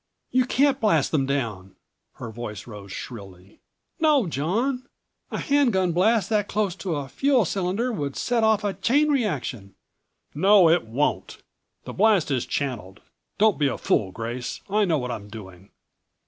"You can't blast them down!" Her voice rose shrilly. "No, John! A hand gun blast that close to a fuel cylinder would set off a chain reaction " "No, it won't. The blast is channeled. Don't be a fool, Grace. I know what I'm doing."